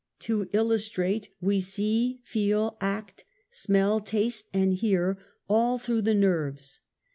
To illustrate, we see, feel, act, smell, taste and hear all through the nerves.